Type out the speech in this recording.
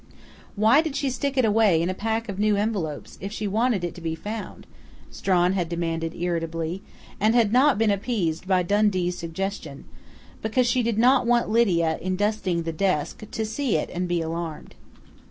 "Why did she stick it away in a pack of new envelopes, if she wanted it to be found?" Strawn had demanded irritably, and had not been appeased by Dundee's suggestion: "Because she did not want Lydia, in dusting the desk, to see it and be alarmed."